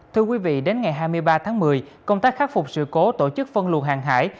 thưa quý vị đến ngày hai mươi ba tháng một mươi công tác khắc phục sự cố tổ chức phân luồn hàng hải